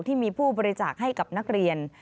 ที่มีผู้บริจาคให้กับนักเรียน